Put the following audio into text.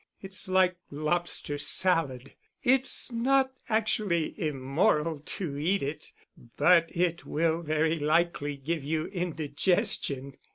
It's like lobster salad; it's not actually immoral to eat it, but it will very likely give you indigestion....